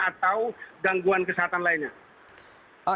atau gangguan kesehatan lainnya